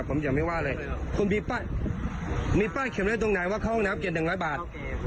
ผมจะไม่ว่าเลยคุณมีป้ายมีป้ายเขียนไว้ตรงไหนว่าเข้าห้องน้ำเก็บหนึ่งร้อยบาท